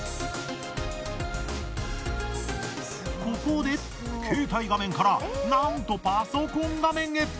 ここでケータイ画面からなんとパソコン画面へ！